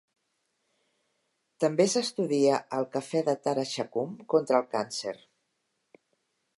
També s'estudia el cafè de Taraxacum contra el càncer.